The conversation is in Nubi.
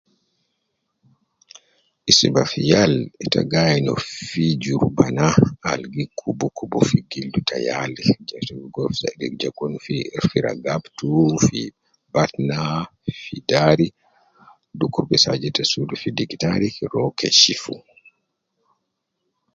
Nyereku Al gi ligo vitamin ita gainu gildu tou namna al fi moo, kan nyereku gi akul kwesi su ras to gi Kun kwes asuwe gild tou gi Kun kweis semini al gi ligo maa gildu tou gi Kun gododo gudura tou kaman gi Kun fi.